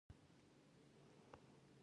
رسميات د سهار له اتو پیلیږي